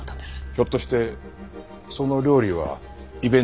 ひょっとしてその料理はイベントのための？